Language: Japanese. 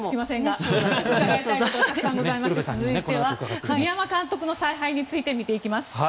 続いては栗山監督の采配について見ていきます。